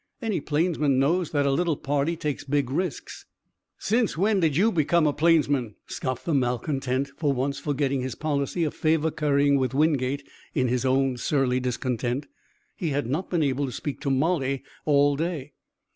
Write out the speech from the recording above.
Any plainsman knows that a little party takes big risks." "Since when did you come a plainsman?" scoffed the malcontent, for once forgetting his policy of favor currying with Wingate in his own surly discontent. He had not been able to speak to Molly all day.